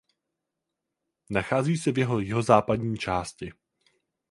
Nachází se v jeho jihozápadní části.